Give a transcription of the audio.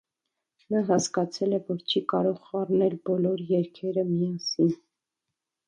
Նա հասկացել է, որ չի կարող խառնել բոլոր երգերը միասին։